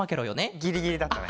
ギリギリだったね。